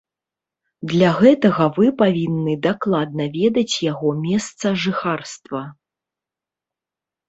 Для гэтага вы павінны дакладна ведаць яго месца жыхарства.